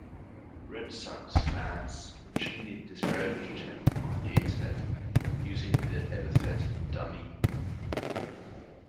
Red Sox fans routinely disparaged him on the Internet, using the epithet Dumy.